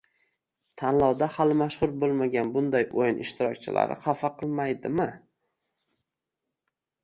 Tanlovda hali mashhur bo'lmagan bunday o'yin ishtirokchilarni xafa qilmaydimi?